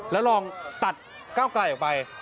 แล้วลองตัดก้าวไกลออกไป